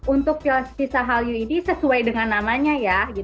untuk visa halyu ini sesuai dengan namanya ya